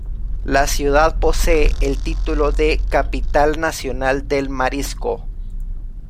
La ciudad posee el título de "Capital Nacional del Marisco".